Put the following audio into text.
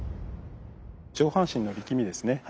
上半身の力みですね。